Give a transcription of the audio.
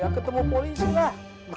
ya ketemu polisi lah